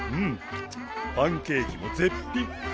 んんパンケーキも絶品。